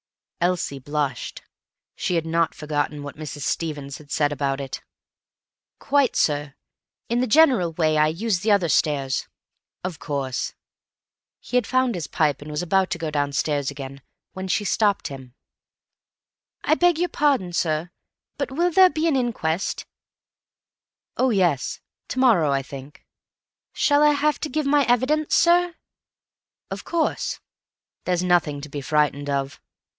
Elsie blushed. She had not forgotten what Mrs. Stevens had said about it. "Quite, sir. In the general way I use the other stairs." "Of course." He had found his pipe and was about to go downstairs again when she stopped him. "I beg your pardon, sir, but will there be an inquest?" "Oh, yes. To morrow, I think." "Shall I have to give my evidence, sir?" "Of course. There's nothing to be frightened of."